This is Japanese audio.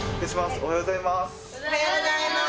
おはようございます！